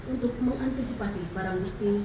untuk mengantisipasi barang bukti